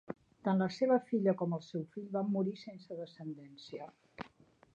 Tant la seva filla com el seu fill van morir sense descendència.